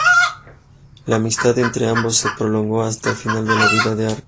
La amistad entre ambos se prolongó hasta el final de la vida de Arcas.